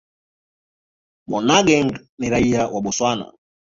Monageng ni raia wa Botswana.